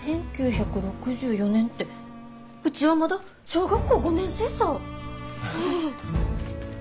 １９６４年ってうちはまだ小学校５年生さぁ。